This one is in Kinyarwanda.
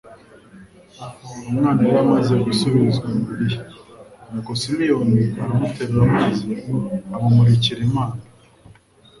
Umwana yari amaze gusubizwa Mariya, nuko Simiyoni aramuterura maze amumurikira Imana